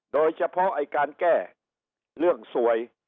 โดยเฉพาะไอ้การแก้เรื่องสวย